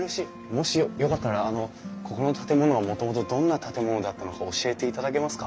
もしよかったらここの建物はもともとどんな建物だったのか教えていただけますか？